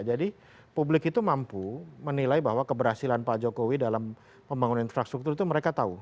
jadi publik itu mampu menilai bahwa keberhasilan pak jokowi dalam membangun infrastruktur itu mereka tahu